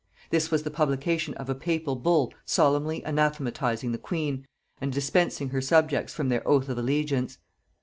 This was the publication of a papal bull solemnly anathematizing the queen, and dispensing her subjects from their oath of allegiance.